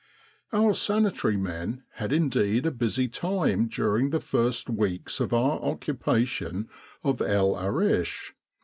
Our sanitary men had indeed a busy time during the first weeks of our occupation of El Arish.